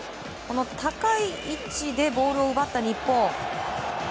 高い位置でボールを奪った日本。